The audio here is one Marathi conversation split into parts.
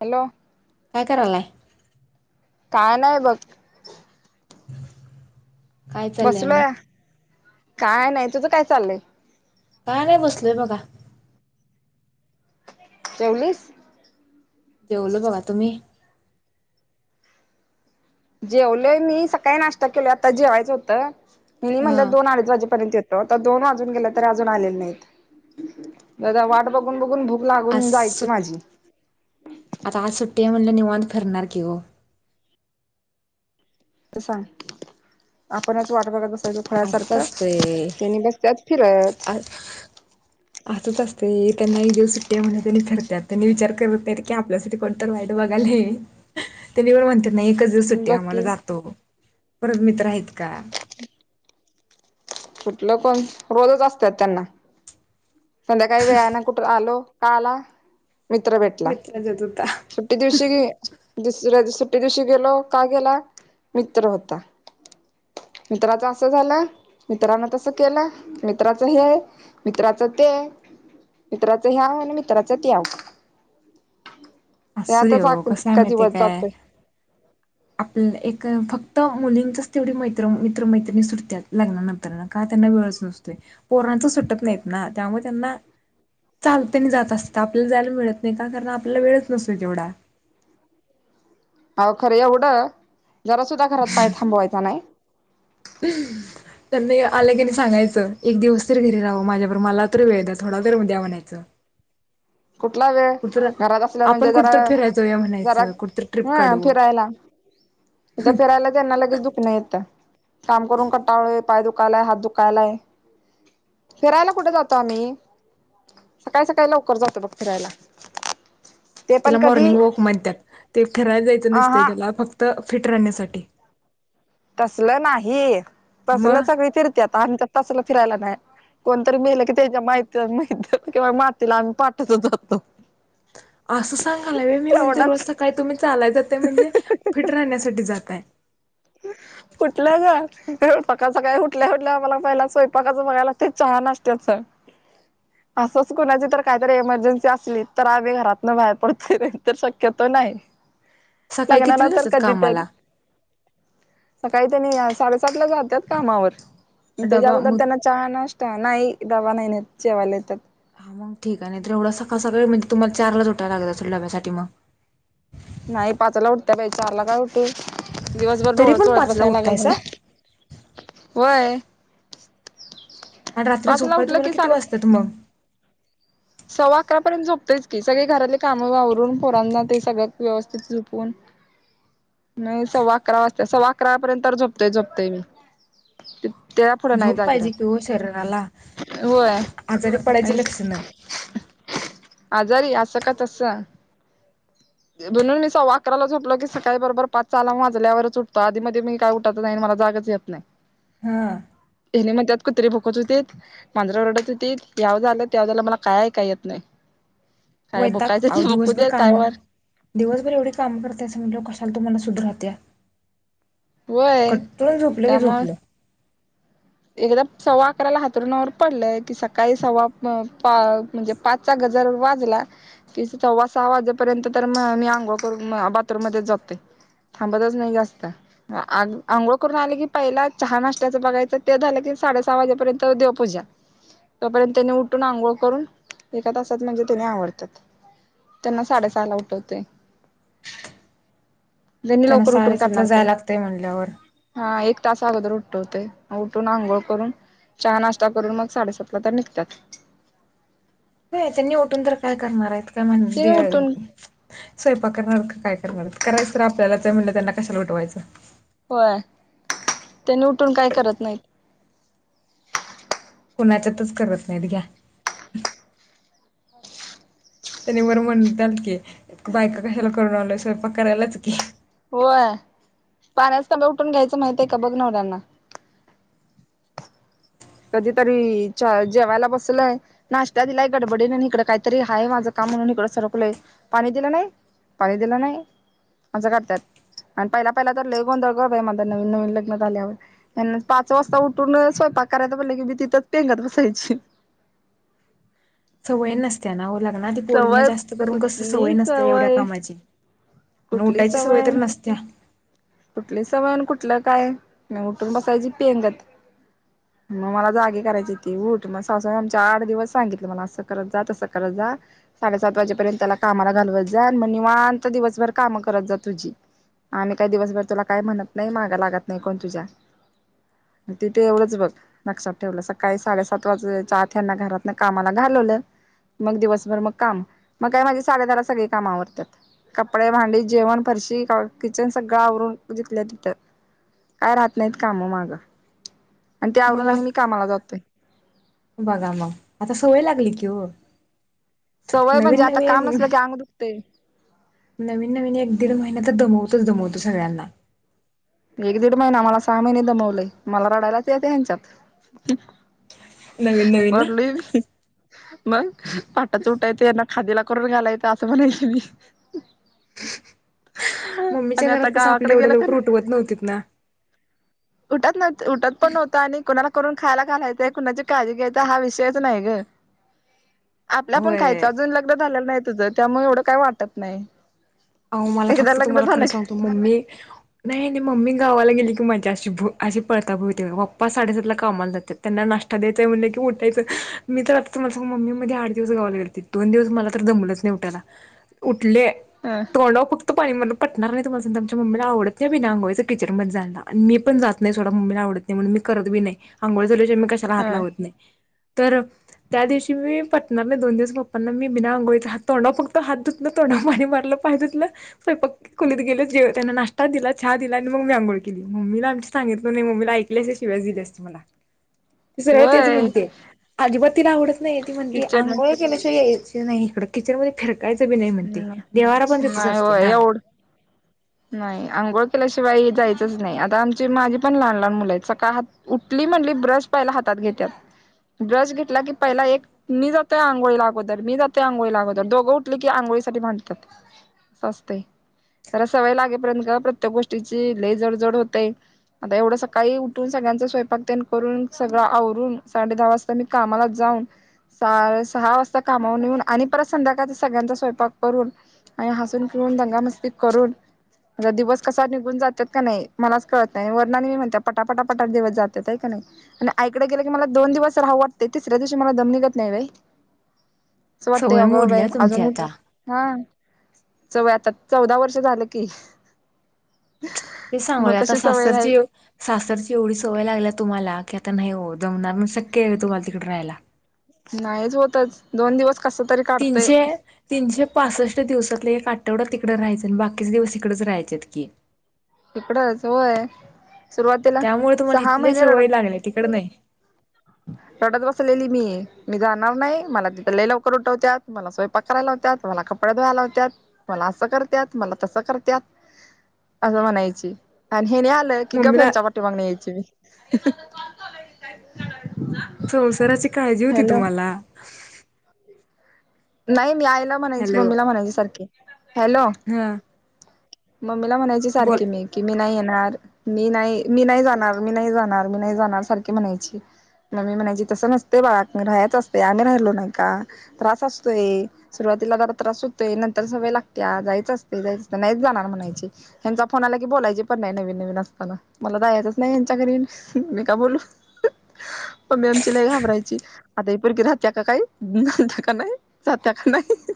हॅलो. काय कारालाय? काय नाही बघ. काय चाललंय आणी? बसलोय काय नाही तुझं काय चाललंय. काय नाही बसलोय बघा. जेवलीस? जेवलो बघा तुम्ही? जेवलोय मी सकाळी नाश्ता केलो आता जेवायचं होतं मी म्हणल हा दोन -अडीच वाजेपर्यंत य आता दोन अजून गेले तरी अजून आलेले नाहीत, वाट बघून बघून भूक आज लागून जायची सुट माझी आता आज सुट्टी आहे म्हणलं निवांत फिरणार की ओ. आता सांग आपणच वाट बघत बसायचं असंच खुळ्यासारखं असतंय त्यांनी बसत्यात फिरत... असच असतय, त्यांना एक दिवस सुट्टी म्हटल्यावर त्यांनी फिरत्यात त्यांनी विचार करत नाहित की आपल्यासाठी कोणत वाईट बघालय [inaudible] त्यांनी पण म्हणतात नाही एकच दिवस सुट्टी बघ की आम्हाला जातो परत मित्र आहेत का? कुठलं कोण रोजच असतात त्यांना संध्याकाळी वेळ ना कुठे आलो. का आला? मित्र भेटला मित्र जात होता सुट्टी दिवशी ही दुसऱ्यास सुट्टी दिवशी गेलो का गेला मित्र होता मित्राच असं झालं मित्रांान तस केलं मित्राच हे आहे मित्राच ते आहे मित्राच ह्याव आणि मित्राच त याव [inaudible] असू देव कस आहे अख्खा माहते दिवस काय जातोय आपलं एक फक्त मुलींचाच तेवढी म मित्र मैत्रणी सुटत्यात लागल्या नंतर का त्यांना वेळच नसतोय प सुटत नाही ना त्यामुळे त्यांना चालते आणि जात असतात आपल्याला जायला मिळत नाही का कारण आपल्याला वेळ नसतोय केवढा अवो खरं एवढं जरा सुद्धा घरात पाय थांबवायचा नाही हम् त्यां आलं की नाही सांगायचं एक दिवस तर घरी राहावं माझ्याबरोर मला तर वेळ द्या थोडा तर द्या म्हणायचं [inaudible] कुठला वेळ कुठं घरात असला आपण म्हणजे कुठंतर जरा फिरायला जाऊया जरा म्हणायचं कुठंतर ट्रिप हम काढू फिरायला तथं फिरायला त्यांना लगेच दुख नाही येतं काम करून कटाळोय पाय दुखायलाय हात दुखायलाय फिरायला कुठे जातो आम्ही सकाळी सकाळी लवकर जातो त बघ फिरायला ते त्याला पण कधी मॉर्निंग वॉक अ म्हणत्यात ते फीरायला जायचं नसत हा त्याला फक्त फिट राहण्यासाठी तसल नाही तसलं मग सगळी फिरते आता आणि तसल फिरायला नाही कोणतरी मेलं की त्याच्या मयती माती किंवा मातीला आम्ही पाठचच जातो [inaudible] असं सांगायला व्हय मी म्हणते रोज तेवढाच सकाळी तुम्ही चालाय जातय म्हणजे फिट राहण्यासाठी जातय कूटलं ग सकाळ सकाळ काय हुठल्या हुठल्या मला पहिल स्वयपाकाचं बघाय लागतय चहा नाश्त्याच असंच कुणाची तर काहीतरी एमर्जन्सी असली तर आम्ही घरातन बाहेर पडतोय नाहीतर शक्यतो सकाळी लग्ना कितीला नंतर जातात कधीतरी कामाला सकाळी त्यांनी साडेसात ला जात कामावर त्याच्या डबा अगोदर मग त्यांना चहा नाश्ता नाही डबा नाही नेत जेवायला येतात हा मग ठीक आहे तर एवढं सकाळ सकाळी म्हणजे तुम्हाला चारलाच उटाय लागत असेल डब्यासाठी मग नाही पाचला उठत बाई चारला काय उठत दिवसभर तरी डोळ पण चोळत पाचला बसायला लागेल उठतायसा मला वय आणि रात्री झोपाय तुम्हाला की किती साडे वाजतात मग सव्वा अकरा पर्यंत झोपतेच की सगळे घरातले कामं वावरून पोरांना ते सगळं व्यवस्थित झोपून [inaudible] नाही सव्वा अकरा वाजता सव्वा अकरा पर्यंत झोपतय झोपतय मी तेच्या पुडं नाही झोप जागि पाहिजे कि ओ शरीराला रहात होय आजारी पडायची आणि लक्षणं. आजारी असं का तस [inaudible] म्हणून मी सववा अकराला झोपलो की सकाळी बरोबर पाचचाला वाजल्यावरच उठतो आधी मध्ये मी काय उठाच नाही मला जाग जागच येत नाही हा हेने मग त्यात कुतरी भोकत होते मांजरा रडत होते याव झालं तेव्हा झालं मला काय ऐकाय येत नाही काय वैताग भुकायचं ते अवो भुकू दिवसभर देत काम काय वर दिवसभर एवढे काम करताय असं म्हटलं कशाला तू मन सुद्धा राहत्या होय कट्टून झोपलं की त्यामुळं झोपलं सव्वा अकराला हातरूनवर पडलंय की सकाळी सव्वा म्हणजे पाच चा गजर वाजला कि सव्वा सहा वाजेपर्यंत तर म मी अंंगोळ करून बाथरूम मध्ये जातो थांबतच नाही जास्त आंघोळ करून आले की पहिला चहा नास्ता बघायचं ते झालं की साडे सहा वाजेपर्यंत देवपूजा तोपर्यंत त्याने उठून आंघोळ करून एका तासात म्हणजे त्याने आवरतात त्यांना साडेसहा ला उठवते जनी त्यांना लवकर उठून साडेसातला करणार काय जायला लागतंय म्हणल्यावर. हा एक तासा अगोदर उठवते उठून आंघोळ करून चहा नाश्ता करून मग साडेसातला तर निघतात हो त्यांनी उठून तर काय करणार आहेत काय म्हनुस ते उठून स्वयंपा करणार का काय करणार करायचं आपल्याला म्हणलं त्यांना कशा लुटवायचं होय त्यांनी उठून काय करत नाहीत कुणाच्यातच करत नाहीत घ्या त्यानी बरं म्हणताल की बायक कशाला करून आल स्वयंपाक करायलाच की होय पाण्याच तांब्या उठून घ्यायचं माहित आहे का बघ म्हणावं नवऱ्यांना [inaudible] कधीतरी जेवायला बसलय नाश्ता दिलाय गडबडीने आणि इकडं काहीतरी आहेाय माझं काम त सरकलोय पाणी दिला नाही पाणी दिला नाही असं करतात आणि पहिला पहिला तर ल गोंधळ ग बाई माझ नवीन नवीन लग्नत आल्यावर पाच पा वाजता उठून स्वयंपाक करायचं म्हंटले की मी तिथंच पेंगत बसायची सवय नसत्या ना हो लाग ना ती पोरीना सवय जास्त करून कस कुठली सवय नसते एवढ्या सवय कामाची नोटाची सवय तर नसत्या कुठली सवयण कुठलं काय म उठून बसायची पेंगात मग मला जागे करायची ती उठ मग स आमच्या आठ दिवस सांगितलं मला असं करत जात असं करत जात साडे सात वाजेपर्यंत त्याला कामाला घालवत जा म निवांत दिवसभर काम करत जा तुझी आम्ही काही दिवसभर तुला काय म्हणत नाही मागं लागत नाही कोण तुझ्या तिथे एवढंच बघ लक्षात ठेवलं सकाळी साडेसात वाजे आथ्यांना घरात ना कामाला घाल मग दिवसभर मग काम मग काय माझे साडेदारा सगळे काम आवडतात कपडे भांडी जेवण फरशी किचन सगळं आवरून जीथल्या तिथं काय राहत नाहीत काम माग आणि त्यावरून मला आणि मी कामाला जातोय बघा मग आता सोय लागली की हो सवय म्हणजे आता काम नसलं की अंग दुखतेय नवीन नवीन एक दीड महिना तर दमवतोच दमवतो सगळ्यांना एक दीड महिना मला सहा महिने दमवलंय मला रडायलाच येत ह्यांच्यात नवीन नवीन ना रडलोय मी मग पाटाच त उटाच यांना खादीला करून घालायेच असं म्हणायच मी मम्मीच्या आणि घरात आता कसं आपल्या गावाकडे एवढ्या गेलं का लोक रुठवत नव्हतीत ना उठत न उठत पण नव्हतं आणि कुणाला करून खायला घालायचंय कुणाची काळजी घ्यायचं हा विषयच नाही ग [inaudible] [inaudible] आपल्या पण खायचं अजून लग्न झालेलं नाही तुझं त्यामुळे एवढं काही वाटत नाही [inaudible] [inaudible] अ मला एकदा फक्त लग्न तुम्हाला खरं झालं की सांगतो मम्मी नाही नाही मम्मी [inaudible] गावाला गेली की माज अशी भ अशी पळता भुवते पप्पा साडेसातला कामाला जात त्यांना नाष्टा द्यायचाय म्हणले क उठायचं मी तर आता तुम्हा मम्मी मध्ये आठ दिवस गावायला लाेते दोन दिवस मला तर जमलंच नाही उठायला [inaudible] [inaudible] हा [inaudible] फक्त पाणी मण पटणार नाही तम्हांमच्या म्मीला आवडत नाही बीना अंगवायचं किचन म जायला मी पण जात नाही ोडा [inaudible] वत नाही म्हणून मी करती नाही आंोळ झाली मी कशाला हात ह लावत नाही [inaudible] तर त्या दिवशी मी पटणार नाही दोन दिवस पप्पांना मी बिना अंंगोळीत हात तोंडव फक्त हात धुतनं तोंड [inaudible] मणे मतलं [inaudible] पाहि प खोलीत गेले जे त्यांना नाश्ता दिला हा दिला आणि मग मी आंोळ केली म्मीला आमांग स म्मीला ऐ शिवाय दिले असते मला ते सग तेच होय म्हणते [inaudible] [inaudible] अजिबातीला आवडत नाही ती म्हणती किचन आंोळ केल्याशवा यायची नाही इकड किचन मध्ये फिरकायचं बी नाही म्हणते देवारा पण त्याेतच नाही असतोय होय ना एवढं नाही आंघोळ केल्याशिवाय जायचच नाही आता आमची माझी पण लहान लहान मुलं आहेत सकाळ हात उठल की म्हटली ब्रश पाहियला हातात घेत्यात ब्रश घेतला की पहिला एक मी जातोय आंघोळी अगोदर मी जातोय आंघोळी अगोदर दोघं उठली की आंघोळी अंघोळीसाठी भांडत्यात अस असतंय जर - सवय लागेपर्यंत ग प्रत्येक गोष्टीची लई जडजड होतय आता एवढं सकाळी उठून सगळ्यांच स्वयपाक पाक तेन करून सगळं आवरून साडे दहा वाजता मी कामाला जाऊन - साडे सहा वाजता कामावरून येऊन आणि परत संध्याकाळ सगळ्यांचा स्वयंपाक करून आणि हसून खिळुन दंगा मस्ती करून आता दिवस कसा निघून जातात का नाही मलाच कळत नाही वर्णने मी म्हणत पटापटा पटा दिवस जातात का नाही आणि आईकडे गेलं की मला दोन दिवस राहू वाटतय तिसऱ्या दिवशी मला दम निघत नाही बई [inaudible] अस वाटतंय सवय अग ब य मोडल्या तुमची अजून उठल आता हा चवय आता चौदा वर्ष झालं की ते मग सांगूय आता कशी सवय राहील सासरची सासरची एवढी सवय लागल्या तुम्हाला - ते आता नाही हो जमणार म शक्य आहे तुम्हाला तिकडे राहायला नाहीच होतच दोन दिवस कस तरी काढतय तीनशे तीनशे पासष्ट दिवसातला एक आठवडा तिकडं राहायचा आणि बाकीच दिवस इकडच राहायचेत की इकड च वय सुरुवातीला त्यामुळे तुम्हाला सहा इथले महिने सवय लागले तिकड नाही रडत रडत बसलेली मी मी जाणार नाही मला तिथ लइ लवकर उठवत्यात मला सैयपाक कराय लावत्यात मला कपडे धुवायला लावत्यात मला असं करत्यात मला तसं करत्यात [inaudible] असं म्हणायची आणि हे नि आलं की गप मम्मीला ह्यांच्या पाठी मागण यायची मी [unintelligible] संसाराची काळजी होती हॅलो तुम्हाला नाही मी आईला म्हणायची हॅलो मम्मीला म्हणायची सारखी हॅलो हा मम्मीला म्हणायची बोल सारखी मी की मी नाही येणा - णार मी नाही मी नाही जाणार मी नाही जाणार मी नाही जाणार सारखी म्हणायची मम्मी म्हणायची तसं नसते बाळ राहायच असतय आम्ही राहिलो नाही का त्रास अस - - य सुरुवातीला जरा त्रास हुतोय नंतर सवय लागते्या जायच असते जायच अस नाहीच जाणार म्हणायची ह्यांचा फोन आला की बोलायची पण नाही नवीन नवीन असताना मला जायचंच नाही हच्या घरी मी का बोलू मम्मी आमची लाई घाबरायची आता ही पुरगी राहत्या का काय जात्या का नाही जात्याक नाही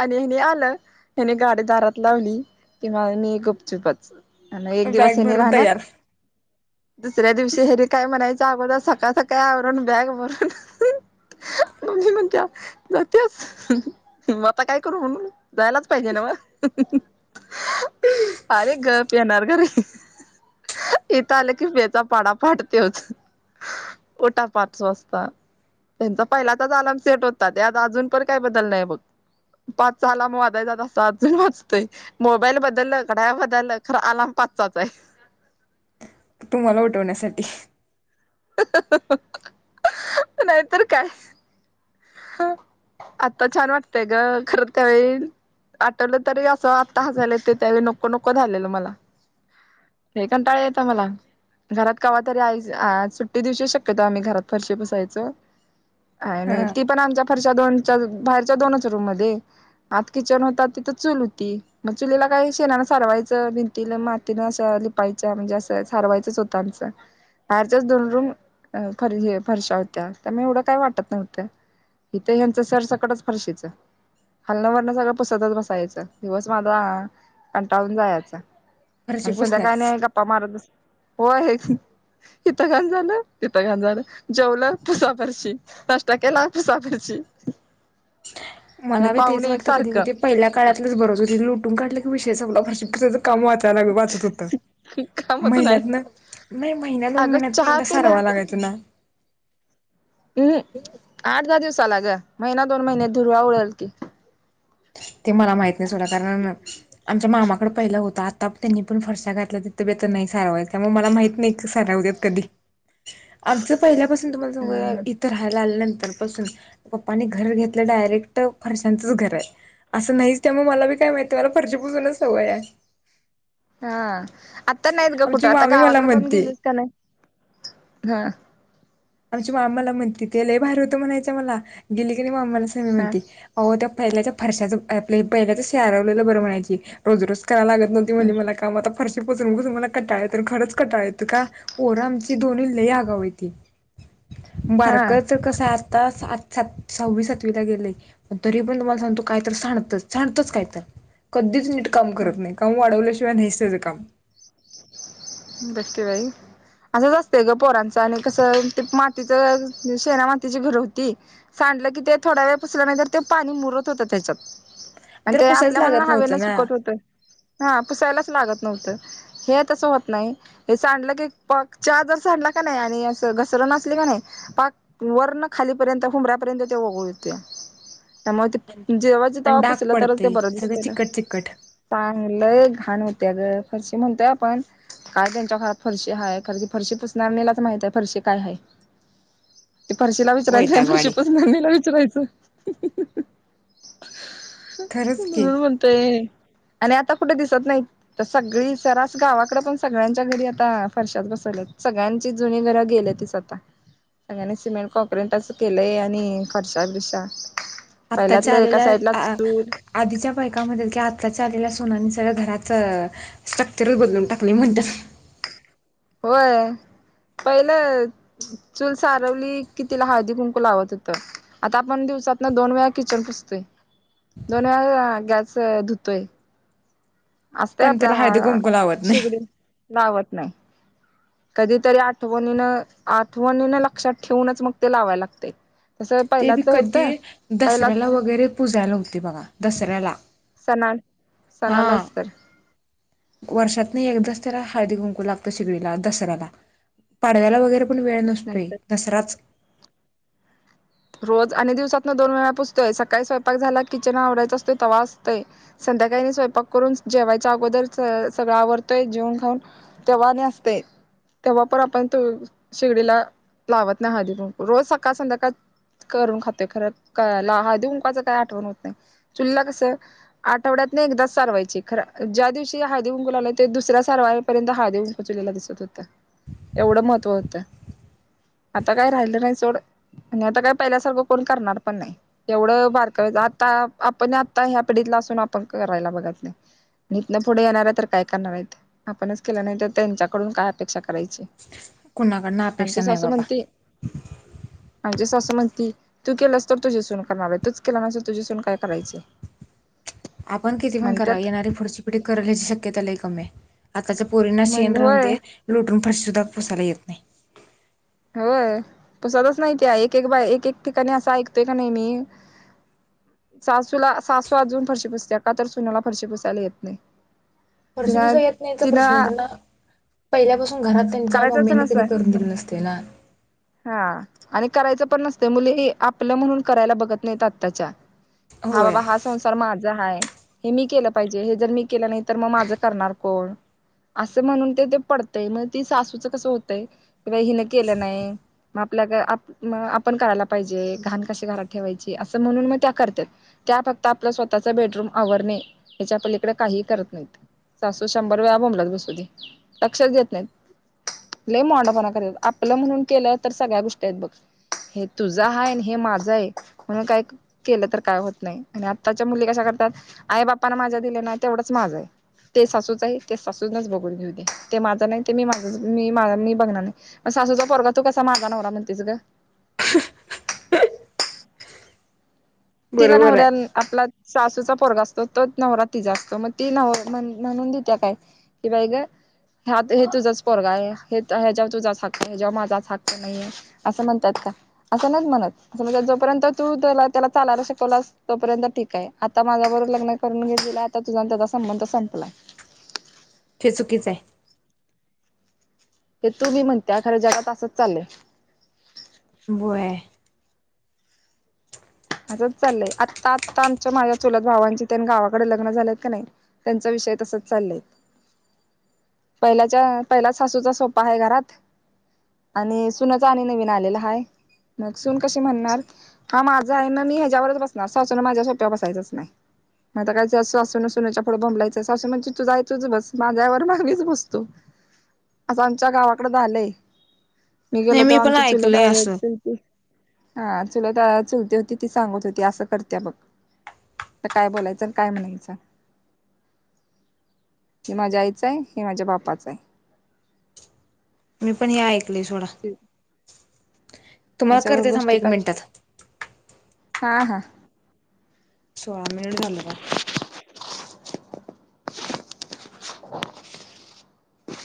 आणि हेनी आलं त्याने गाडी दारात लावली कि म मी गुपचुपच आणि एक दिवस बॅग हेनी भरून राहणार तयार दुसऱ्या दिवशी हेनी काय म्हणायच अगोदर सकाळ सकाळ अवरून बॅग भरून मम्मी म्हणत्या जात्यास मग आता काय करू म्हणून जायलाच पाहिजे न्हव [unintelligible] [inaudible] अरे गप येणार घरी इथं आलं की बे चा पाडा पाठ त्योच ओटा पाच वाजता त्यांचा पहिला तच आलम सेट होता त्यात अजून पण काय बदल नाहीय बघ पाचचा आलार्म वाजायचा त असं अजून वाजतंय मोबाईल बदल क नाइ बदल खर आलाम पाचचाच हाय तुम्हाला उठवण्यासाठी नाहीतर काय आवाज नीट ऐकत नाही आता छान वागतेय ग करत वईल आठवलं तरी असं आता हयल ते त्यावेळी नकं नको झालेलं मला हे कातााळे येत मला घरात कावा तरी आ सुट्टी दिवशी शक्यतो आम्ही घरात फरशी बसायच अ नाही हा फरच्या दोन बाहेरच्या दोनच रूम मध्ये हात किचन होता तिथं चूल होती मग चुलीला काही शेणानं सारवायचं भिंतीला मातीनं असं लिय म्हणजे असं सारवायचंच होतच बाहेरच्याच दोन रूम फरशा होत्या त्या म एवढं काय वाटत नव्हतं इथ ह्यांचं सर सकळच फरशीच हलणं वरणं सगळं पुसतच बसायचं दिवस माझा कंटाळून जायच फरशी आणि संध्याकाळ पुसण्यातच नाही गप्पा मारतस हो आहे की इिथं खान झालं तिथं घाान झालं जेवलं पुूसा फरशी नाष्टता केला सापडच मला बी तेच वाटतं कधी क ते पहिल्या काळातलंच बरच हो लुटून काढलं की विषय सग काम वाचायला वाचत होत कामच नाही महिन्यातन नाही महिन्यात दोन अगं महिन्यात चहा एकदा पिलं सारवा लागाय तु ना हम्म आठ दहा दिवसाला ग महिना दोन महिने धुरवा उडेल की ते मला माहत नाहीच होड कारण आमच्या मामाकड पहिलं होत आता त्यांनी पण फर्श घातला तिथं बे तर नाही सारावाय त्यामुळे मला माहित नाही सारावतत कधी आमचं पहिल्यापासून तुम्हाला सांगू इथं राहायला आल्यानंतर तर पासून पप्पानी घर घेतलं डायरेक्ट फरशांचंच घर आहे असं नाहीच त्यामुळे मला बी काय माहिित मला फर्जीपूजूनच सव या हा आता नाहीत ग कुठं आता मामी मला गावाकडे पण म्हणते गेलीस का नाही हा आमच्या मामाला म्हणती ते लही बाहेर होतं म्हणायचं मला गेली की नाही मामाला स हा म्हणते अह त्या पहिल्याच्या फर्शाच आप पहिल्याच शेरवलेलं बरं म्हणायची रोज रोज करायला लागत नव्हती म्हण मला काम आता फरशी पोून बघ तुम्हाला कटाळ तर खरंच कटाळ येत का पोर आमची दोन्ही लई आगाव यती हा बारकच कसं आ आता सात सात सहा्वी सातवीला गेलेय पण तरी पण तुम्हाला सांगतू काय तर सांणत जाणतच काय तर कधीच नीट काम करत नाही काम वाढवल्याशिवाय नाहीच त्याचं काम बसे बाई असंच असतंय ग पोरांचं आणि कसं मातीच शेरा मातीची घर होती म्हलं की ते थोडा वेळ पसल्या नाही तर ते पाणी मुरत होत त्याच्यात आणि त्याला ते पुसायच आपल्या लागत मनाला हवेन नव्हतं ना सुकत होतं हा पुसायलाच लागत नव्हतं हे तस होत नाही हे सांडलं की चहा जर सांडला कणी आणि असं घसरण पाक वरण खालीपर्यंत उंबऱ्यापर्यंत ते वगळ येतंय मग ते जेव्हा ज आणि तेव्हा डाग पुसला तरच ते पडतंय बरं दिसत सगळं ना चिकट चिकट चांग ल घाण होत्या ग फरशी म्हणतोय आपण काय त्यांच्या घरात फरशी आहे खर की फरशी पुसणार नाहीलाच माहित आहे फरशी काय आहे [inaudible] ते फर्शीला विचरायचं नाही वैतागवाडी फरशीपासून अ्नीला विचरायचं खरंच की म्हणून म्हणतोय आणि आता कुठे दिसत नाही तस सगळी सरस गावाकडे पण सगळ्यांच्या घरी आता फरशात बसवलेत सगळ्यांची जुनी घरं गेले त सगळ्यांनी सिमेंट कॉक्रिंट अस केलंय आणि खर्श बिरसा आत्ताच्या आलेल्या आधीच्या बायकामध्ये कि आताच्या आलेल्या सुनानी सगळं घराच स्ट्रक्चरच बदलून टाकली म्हणतात होय पहिलं चूल सारवली कि तिला हळदी कुंकू लावत होत आता आपण सात ना दोन वेळा किचन पुसतोय दोन वेळा गॅस धुतोय असतय पण आपल्या त्याला हळदी हा कुंकू लावत नाही शिगडी लावत नाही. कधीतरी आठवणीन आठवणीन लक्षात ठेवूनच मग ते लावायला लागते. ते बी कधी दसऱ्याला वगैरे पुजायला होते बघा दसऱ्याला... सणा हा सणालाच तर वर्षात नाही एकदा... हळदी कुंकू लागत शिगडीला दसऱ्याला पाडव्याला वगैरे.. पण वेळ नसतोय नाहीतर दसराच... रोज आणि दिवसातन दोन वेळा पुसतोय सकाळी स्वयंपाक झाला किचन आवडायचं असतो तवा असतोय संध्याकाळी.... स्वयंपाक करून जेवायच्या अगोदर सगळं आवरतोय जेवून खाऊन तेव्हा आणि असतय... तेव्हा पण आपण त शेगडीला लावत नाही हळदी कुंकू रोज सकाळ संध्याकाळ.. करून खातो खर हळदी कुंकवाच काय आठवण होत नाही काय आठवण होत नाही चुलला कस आठवड्यात.... नाही एकदा सारवायची खरा ज्या दिवशी हळदी कुंकू लावला ते दुसऱ्या सारवायपर्यंत हळदी कुंकू दिसत. एवढं महत्व होतं आता काय राहिलं नाही सोड आणि आता काय... पहिल्या सर्व कोण करणार पण नाही एवढं आता आपण आता ह्या पिढीतला असून आपण.. करायला बघत नाही. इथनं पुढे येणार आहे तर काय करणार आहेत आपणच केलं नाही तर त्यांच्याकडून काय अपेक्षा करायची. कुणाकडनं आमचे अपेक्षा नाही सासु बाबा म्हणती आमचे सासु तू केलंस तर तुझ्यासून करणार आहे तूच केला नाही तुझ्यासून काय करायचं.. आपण किती पण करा येणारी पुढचीपिडी करराण्याची शक्यता लय कमी आहे. आताच्या पोरींना म्हण शेण राहून होय दे लुटून फशी सुद्धा पुसायला येत नाही. होय पुसतच नाही त्या एक एक ठिकाणी असा ऐकतोय का नाही मी.. सासूला सासू अजून फरशी पुसते का तर सुनला फरशी पुसायला येत नाही. फरशी तिला पुसायला येत नाहीचा प्रश्न तिनं त्यांना पहिल्यापासून.. घरात त्यांच्या करायचंच मम्मीने कधी नसतंय करून दिले नसते ना. हा आणि करायचं पण नसतं मुली आपलं म्हणून करायला बघत नाहीत आत्ताच्या... हा होय बाबा हा संसार माझा आहे. हे मी केलं पाहिजे हे जर मी केलं नाही तर मग माझ करणार कोण? असं म्हणून ते ते पडतय मग ती सासूचं कसं होतय क बा हिने केलं नाही. मग आपल्या आपण करायला पाहिजे घाण कश घरात ठेवायचे असं म्हणून मग त्या करते. त्या फक्त आपलं स्वतःच बेडरूम आवरणे ह्याच्या आपल्या इकडे काही करत नाहीत. सासु शंभर वेळा बोंबलाय लागतंय लक्षात देत नाहीत. लय मोडपणा कर आपलं म्हणून केलं तर सगळ्या गोष्टी आहेत बघ.. हे तुझं आहाय आणि हे माझं आहे म्हणून काय केलं तर काय होत नाही आणि आत्ताच्या मुली कशा... आई बापांना माझा दिले नाही तेवढंच माझं आहे. ते सासूच आहे ते सासूनाच बघून घेऊ दे ते माझं नाही. ते मी माझ मी माझ मी बघणार नाही म सासूचा पोरगा तू कसा माझा नवरा म्हणतेच ग.. [unintelligible] तिला बरोबर आहे नवऱ्याला आपला.. सासूचा पोरगा असतो तोच नवरा तिचा असतो मग ती म्हणून दित्या का की बाई ग... ह्या हे तुझंच पोरगा आहे, हेच्यावर तुझा हक्क आहे, हेच्यावर माझा हक्क नाहीे असं म्हणतात. असं नाहीत म्हणत जोपर्यंत तू त्याला त्याला... चालायला शिकवला तोपर्यंत ठीक आहे आता माझ्या बरोबर लग्न करून घेतलेलं आता तुझा त्याचा संबंध संपलाय. ते चुकीच आहे. ते तू मी म्हणत्या खरं जगात असंच चालय. होय असंच चाललंय आत्ता- आता आमच्या माझ्या चुलत भावांची त्यां गावाकडे लग्न झालेत की नाही, त्यांचा... विषय तसंच चालय.. [unintelligible] पहिल्याच्या पहिलाच सासूचा सोपा आहे घरात... आणि सूनच आणि नवीन आलेला आहे, मग सून कशी म्हणणार? हा माझा.. माझा हाय मग मी ह्याच्यावरच बसणार सासून माझ्या सोप्यावर बसायाचेच नाही. मग आता काय त्या सासूनं सुनेच्या पुढे बोंबेलायचे, सासू म्हणती तुझं आहे तूच बस माझं आहे माझ्यावर मीच बसती. असं आमच्या गावाकडे झालंय. मी नाही गेलो तर पण आमची ऐकलंय चुलतआजी असं होती हा चुलत आ चुलती होती ती सांगत होती असं करत्या बघ. तर काय बोलायचं, अन् काय म्हणायचं? हे माझ्या आईचं आहे. हे माझ्या बापाचं आहे. मी पण हे ऐकलय सोडा. तुम्हाला अशा करते थांबा गोष्टी एक कर मिनिटात. हा हां सोळा मिनिट झालं राव. [inaudible]